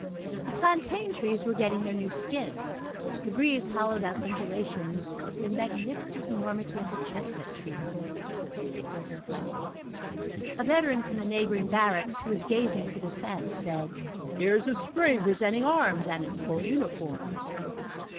The plantain trees were getting their new skins. The breeze hollowed out undulations in the magnificent enormity of the chestnut trees. It was splendid. A veteran from the neighboring barracks, who was gazing through the fence, said: "Here is the Spring presenting arms and in full uniform."